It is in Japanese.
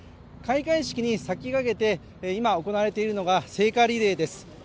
開会式に先駆けてえ今行われているのが聖火リレーです